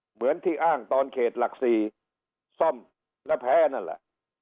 เหมือนที่อ้างตอนเขตหลัก๔ซ่อมและแพ้นั่นแหละ